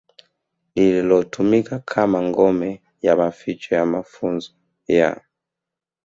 lililotumika kama ngome ya maficho ya mafunzo ya